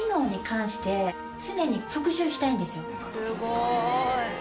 すごい。